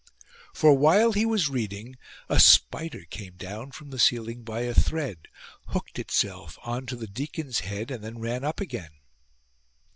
For while he was reading, a spider came down from the ceiling by a thread, hooked itself on to the deacon's head, and then ran up again.